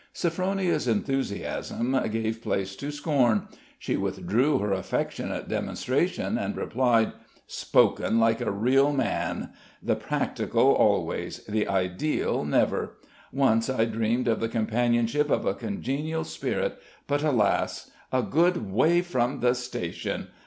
Sophronia's enthusiasm gave place to scorn; she withdrew her affectionate demonstration, and replied: "Spoken like a real man! The practical, always the ideal, never! Once I dreamed of the companionship of a congenial spirit, but, alas! 'A good way from the station!'